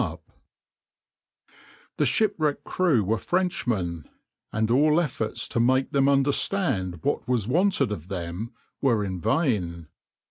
"\par The shipwrecked crew were Frenchmen, and all efforts to make them understand what was wanted of them were in vain.